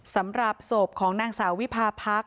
สำหรับศพของนางสาววิพาพักษ